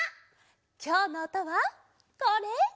きょうのおとはこれ！